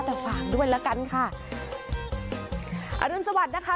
แต่ฝากด้วยละกันค่ะอรุณสวัสดิ์นะคะ